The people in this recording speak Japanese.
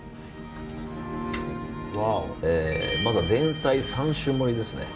前菜３種盛りですね。